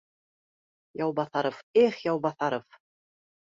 Яубаҫаров, их Яубаҫаров